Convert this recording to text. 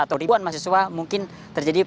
atau ribuan mahasiswa mungkin terjadi